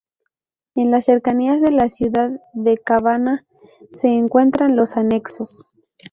En las cercanías de la ciudad de Cabana se encuentran los anexos.